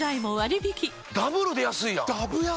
ダブルで安いな！